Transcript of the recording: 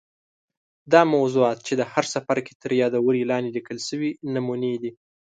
دا موضوعات چې د هر څپرکي تر یادوري لاندي لیکل سوي نمونې دي.